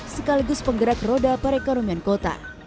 sekaligus penggerak roda perekonomian kota